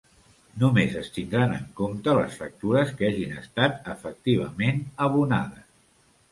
Només es tindran en compte les factures que hagin estat efectivament abonades.